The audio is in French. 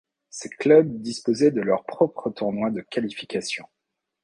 Ces clubs disposaient de leur propre tournoi de qualification.